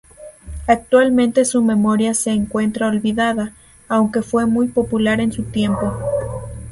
Actualmente su memoria se encuentra olvidada, aunque fue muy popular en su tiempo.